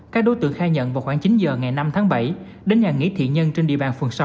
các đối tượng khai nhận vào khoảng chín giờ ngày năm tháng bảy đến nhà nghỉ thiện nhân trên địa bàn phường sáu